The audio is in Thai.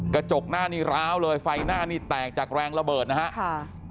กระจกหน้านี่ร้าวเลยไฟหน้านี่แตกจากแรงระเบิดนะฮะค่ะ